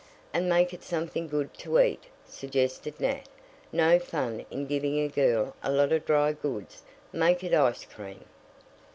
"And make it something good to eat," suggested Nat. "No fun in giving a girl a lot of drygoods make it ice cream."